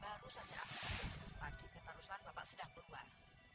baru saja pak tadi ke taruslan bapak sudah keluar